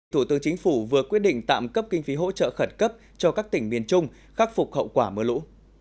thủ tướng chính phủ vừa quyết định tạm cấp kinh phí hỗ trợ khẩn cấp cho các tỉnh miền trung khắc phục hậu quả mưa lũ